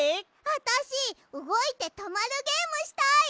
あたしうごいてとまるゲームしたい。